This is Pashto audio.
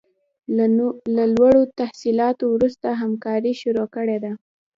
له لوړو تحصیلاتو وروسته همکاري شروع کړې ده.